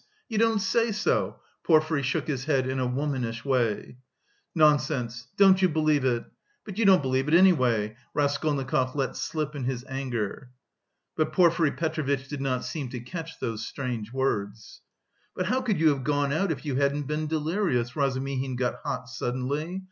You don't say so!" Porfiry shook his head in a womanish way. "Nonsense! Don't you believe it! But you don't believe it anyway," Raskolnikov let slip in his anger. But Porfiry Petrovitch did not seem to catch those strange words. "But how could you have gone out if you hadn't been delirious?" Razumihin got hot suddenly.